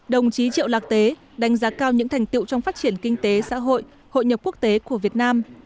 đồng chí triệu lạc tế đánh giá cao những thành tiệu trong phát triển kinh tế xã hội hội nhập quốc tế của việt nam